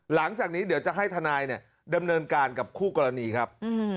หลังจากนี้เดี๋ยวจะให้ทนายเนี่ยดำเนินการกับคู่กรณีครับ